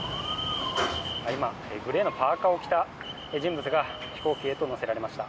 今、グレーのパーカを着た人物が飛行機へと乗せられました。